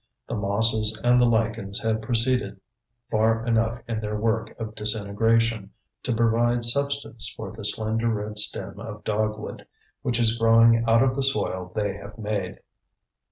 The mosses and the lichens have proceeded far enough in their work of disintegration to provide substance for the slender red stem of dogwood, which is growing out of the soil they have made.